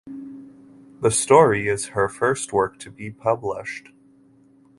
The story is her first work to be published.